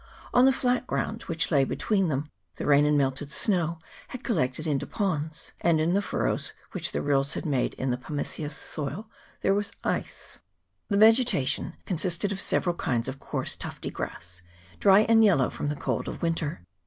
On the flat ground which lay be 344 VOLCANIC MOUNTAIN [PART II. tween them, the rain and melted snow had collected into ponds, and in the furrows which the rills had made in the pumiceous soil there was ice. The vegetation consisted of several kinds of coarse tufty grass, dry and yellow from the cold of winter.